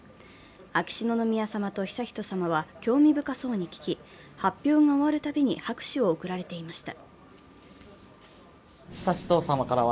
秋篠宮さまと悠仁さまは興味深そうに聞き、発表が終わるたびに拍手を送られていました。